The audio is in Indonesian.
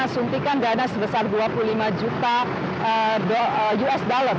suntikan dana sebesar dua puluh lima juta usd